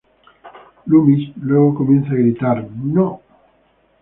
Loomis luego comienza a gritar, "¡No!